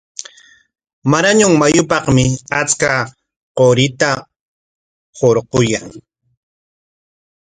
Marañon mayupikmi achka qurita hurquyan.